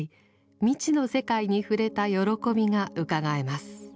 未知の世界に触れた喜びがうかがえます。